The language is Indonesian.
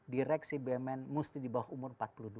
di reksi bumn mesti di bawah umur